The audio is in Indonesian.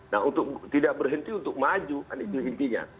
nah untuk tidak berhenti untuk maju kan itu intinya